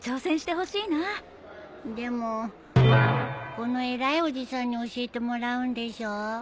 この偉いおじさんに教えてもらうんでしょ？